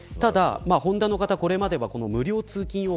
ホンダの方はこれまで無料通勤用